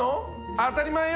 当たり前よ。